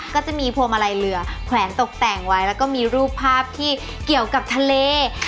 ก็จะมีพวงมาลัยเรือแขวนตกแต่งไว้แล้วก็มีรูปภาพที่เกี่ยวกับทะเล